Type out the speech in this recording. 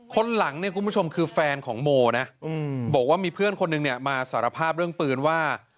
คนหลังเนี่ยคุณผู้ชมคือแฟนของโมนะบอกว่ามีเพื่อนคนหนึ่งเนี่ยมาสารภาพเรื่องปืนว่า